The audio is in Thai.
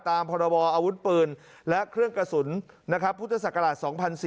พรบออาวุธปืนและเครื่องกระสุนพุทธศักราช๒๔๔